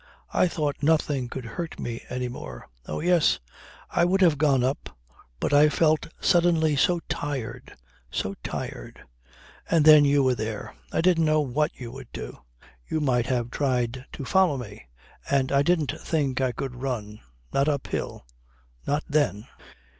I thought nothing could hurt me any more. Oh yes. I would have gone up, but I felt suddenly so tired. So tired. And then you were there. I didn't know what you would do. You might have tried to follow me and I didn't think I could run not up hill not then."